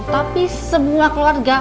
tapi semua keluarga